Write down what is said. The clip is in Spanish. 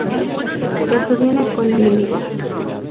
Estudió en la Escuela Militar.